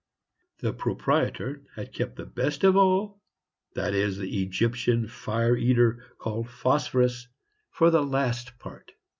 The proprietor had kept the best of all that is, the Egyptian fire eater, called "Phosphorus" for the last part.